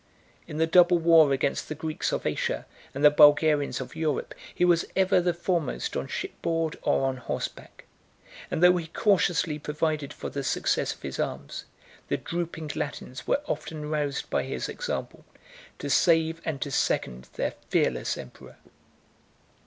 In the double war against the Greeks of Asia and the Bulgarians of Europe, he was ever the foremost on shipboard or on horseback; and though he cautiously provided for the success of his arms, the drooping Latins were often roused by his example to save and to second their fearless emperor.